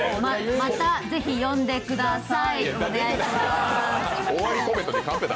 また、ぜひ呼んでください！